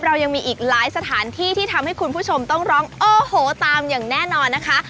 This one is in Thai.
เรายังมีอีกหลายสถานที่ที่ทำให้คุณผู้ชมต้องร้องโอ้โหตามอย่างแน่นอนนะคะ